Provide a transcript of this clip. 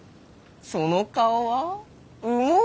その顔はう